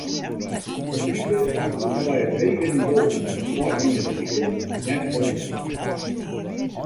It like as koene wy it hege nivo fan de foargeande wiken net folhâlde.